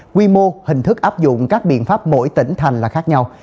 quy mô hình thức áp dụng các biện pháp mỗi tỉnh thành là khác nhau